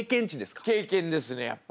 経験ですねやっぱ。